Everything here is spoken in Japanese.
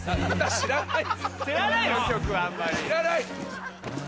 知らない。